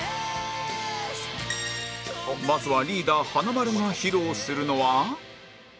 まずはリーダー華丸が披露するのは